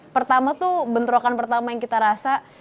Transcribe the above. pertama tuh bentrokan pertama yang kita rasa